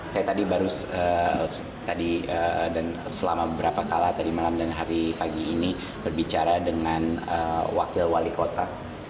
saya tadi baru tadi dan selama beberapa kalah tadi malam dan hari pagi ini berbicara dengan wakil wali kota